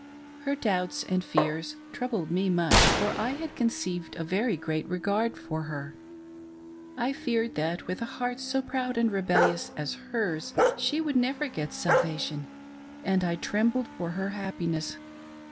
Her doubts and fears troubled me much, for I had conceived a very great regard for her. I feared that with a heart so proud and rebel lious as hers, she would never get salvation, and I trembled for her happiness.